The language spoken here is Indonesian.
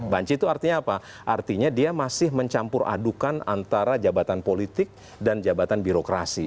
banci itu artinya apa artinya dia masih mencampur adukan antara jabatan politik dan jabatan birokrasi